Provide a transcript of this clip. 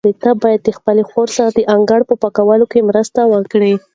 ته باید د خپلې خور سره د انګړ په پاکولو کې مرسته وکړې.